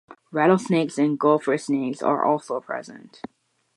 Rattlesnakes and gopher snakes are also present.